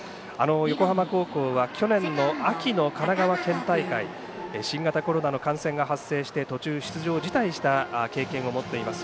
横浜高校は去年の秋の神奈川県大会新型コロナの感染が発生して途中、出場辞退をした経験を持っています。